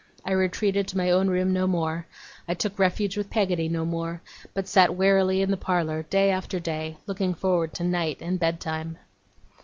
I retreated to my own room no more; I took refuge with Peggotty no more; but sat wearily in the parlour day after day, looking forward to night, and bedtime.